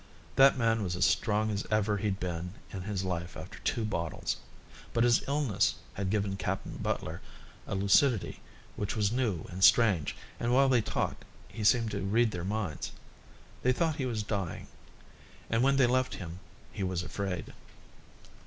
That man was as strong as ever he'd been in his life after two bottles. But his illness had given Captain Butler a lucidity which was new and strange, and while they talked he seemed to read their minds. They thought he was dying. And when they left him he was afraid.